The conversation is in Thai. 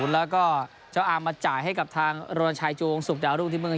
แล้วก็เจ้าอามมาจ่ายให้กับทางโรนชัยจูงสุกดาวรุ่งที่เมือง